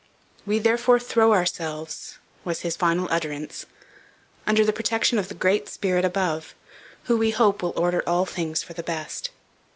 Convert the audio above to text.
'We therefore throw ourselves,' was his final utterance, 'under the protection of the Great Spirit above, who, we hope, will order all things for the best.'